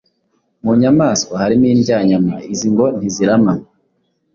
Mu nyamaswa hari indyanyama. Izi ngo ntizirama.